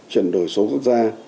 chuyển đổi số quốc gia